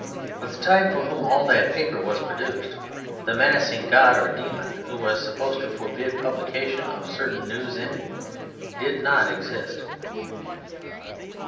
But the type for whom all that paper was produced, the menacing god or demon who was supposed to forbid publication of certain news in it, did not exist.